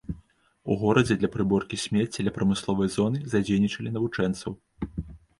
У горадзе для прыборкі смецця ля прамысловай зоны задзейнічалі навучэнцаў.